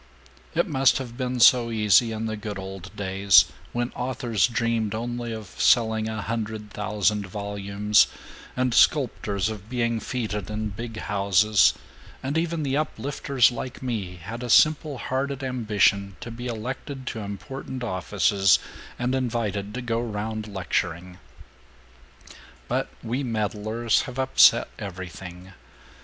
It must have been so easy in the good old days when authors dreamed only of selling a hundred thousand volumes, and sculptors of being feted in big houses, and even the Uplifters like me had a simple hearted ambition to be elected to important offices and invited to go round lecturing. But we meddlers have upset everything.